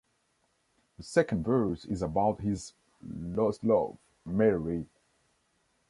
The second verse is about his lost love, Mary.